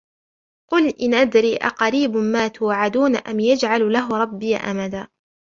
قُلْ إِنْ أَدْرِي أَقَرِيبٌ مَا تُوعَدُونَ أَمْ يَجْعَلُ لَهُ رَبِّي أَمَدًا